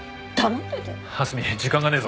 蓮見時間がねえぞ！